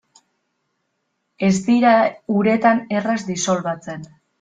Ez dira uretan erraz disolbatzen.